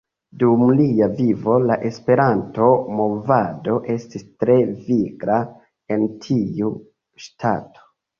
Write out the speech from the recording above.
Dum lia vivo la Esperanto-movado estis tre vigla en tiu ŝtato.